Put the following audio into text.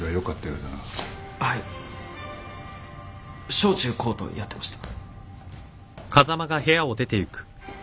小中高とやってました。